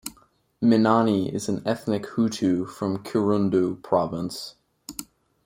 Minani is an ethnic Hutu from Kirundo province.